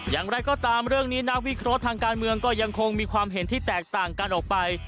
อย่างไรก็ตามเรื่องนี้นักวิเคราะห์ทางการเมืองก็ยังคงมีความเห็นที่แตกต่างกันออกไป